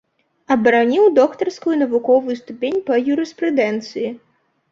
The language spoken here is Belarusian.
Абараніў доктарскую навуковую ступень па юрыспрудэнцыі.